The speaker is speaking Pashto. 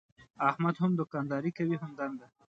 احمد هم دوکانداري کوي هم دنده.